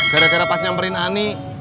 gara gara pas nyamperin ani